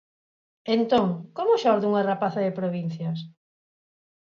Entón, como xorde Unha rapaza de provincias?